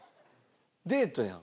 デートやん。